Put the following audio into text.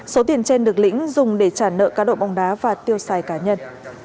số tiền trên được lĩnh dùng để trả nợ các đội bóng đá và tiêu xài cá nhân